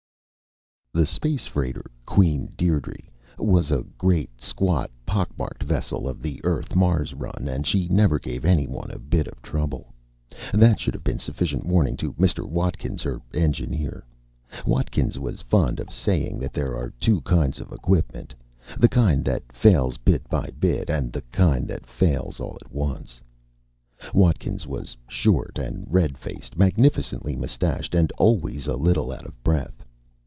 The space freighter Queen Dierdre was a great, squat, pockmarked vessel of the Earth Mars run and she never gave anyone a bit of trouble. That should have been sufficient warning to Mr. Watkins, her engineer. Watkins was fond of saying that there are two kinds of equipment the kind that fails bit by bit, and the kind that fails all at once. Watkins was short and red faced, magnificently mustached, and always a little out of breath.